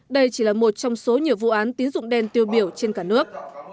đây chỉ là một trong số nhiều vụ án tín dụng đen tiêu biểu trên cả nước